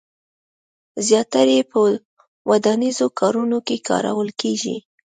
زیاتره یې په ودانیزو کارونو کې کارول کېږي.